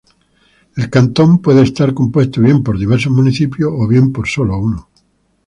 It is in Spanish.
El cantón puede estar compuesto bien por diversos municipios, o bien por sólo uno.